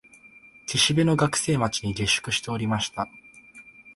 岸辺の学生町に下宿しておりました